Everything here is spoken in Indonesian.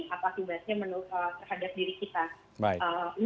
apa khidmatnya menurut terhadap diri kita